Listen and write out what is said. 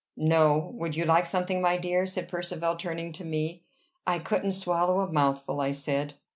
"No. Would you like something, my dear?" said Percivale turning to me. "I couldn't swallow a mouthful," I said.